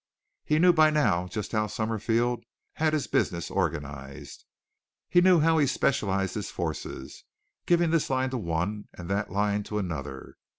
He knew by now just how Summerfield had his business organized. He knew how he specialized his forces, giving this line to one and that line to another.